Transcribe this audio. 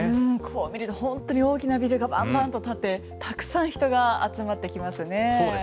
こう見ると本当に大きなビルがばんばんと建って、たくさん人が集まってきますね。